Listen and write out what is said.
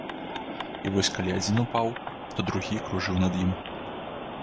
І вось калі адзін упаў, то другі кружыў над ім.